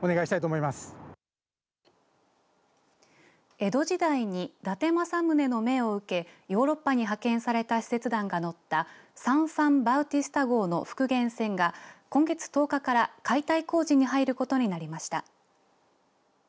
江戸時代に伊達政宗の命を受けヨーロッパに派遣された使節団が乗ったサン・ファン・バウティスタ号の復元船が今月１０日から解体工事に入ることになりました。